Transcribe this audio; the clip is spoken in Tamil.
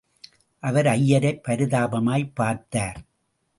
அவர் ஐயரைப் பரிதாபமாய்ப் பார்த்தார்.